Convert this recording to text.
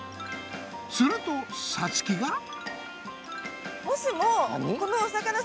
するとさつきが。